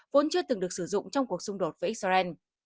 vốn chưa từng được sử dụng trong cuộc xung đột với israel